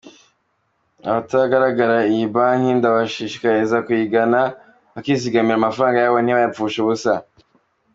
Abataragana iyi banki ndabashishikariza kuyigana bakizigamira amafaranga yabo ntibayapfushe ubusa.